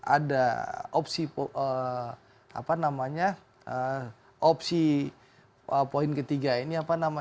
ada opsi poin ketiga ini